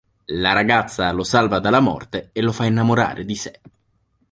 La ragazza lo salva dalla morte e lo fa innamorare di sé.